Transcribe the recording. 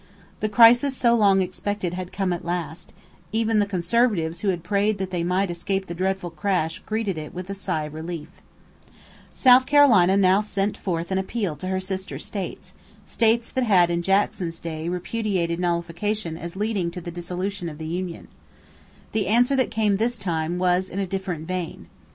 The crisis so long expected had come at last; even the conservatives who had prayed that they might escape the dreadful crash greeted it with a sigh of relief. [Illustration: THE UNITED STATES IN 1861 The border states (in purple) remained loyal.] South Carolina now sent forth an appeal to her sister states states that had in Jackson's day repudiated nullification as leading to "the dissolution of the union." The answer that came this time was in a different vein.